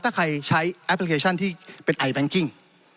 ถ้าใครใช้แอปพลิเคชันที่เป็นไอแบงกิ้ง